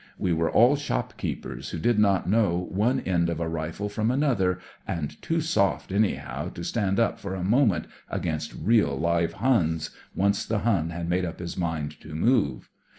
We were all shopkeepers who did not know one end of a rifle from another, and too soft, anyhow, to stand up for a moment against real, live Huns, once the Hun had made up his mind to move.